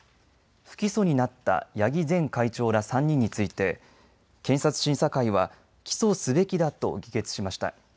不起訴にになった八木前会長ら３人について検察審査会は起訴すべきだと議決しました。